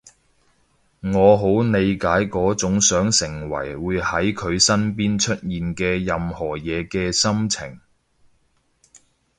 我好理解嗰種想成為會喺佢身邊出現嘅任何嘢嘅心情